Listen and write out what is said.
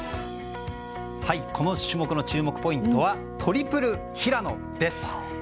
この種目の注目ポイントはトリプル平野です。